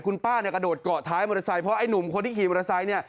คุณป้าเนี่ยกระโดดเกาะท้ายมอเตอร์ไซค์เพราะไอ้หนุ่มคนที่ขี่มอเตอร์ไซค์เนี่ย